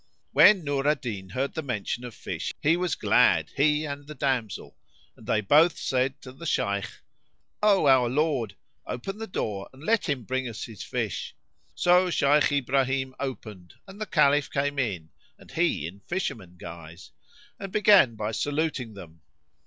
When Nur al Din heard the mention of fish, he was glad, he and the damsel, and they both said to the Shaykh, "O our lord, open the door and let him bring us his fish." So Shaykh Ibrahim opened and the Caliph came in (and he in fisherman guise), and began by saluting them.